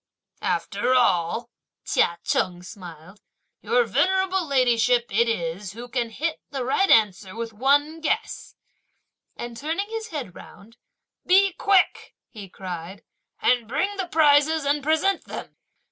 "After all," Chia Cheng smiled; "Your venerable ladyship it is who can hit the right answer with one guess!" and turning his head round, "Be quick," he cried, "and bring the prizes and present them!"